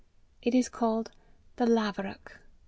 It is called The Laverock.